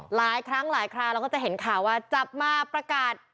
หลายครั้งหลายคราวเราก็จะเห็นข่าวว่าจับมาประกาศ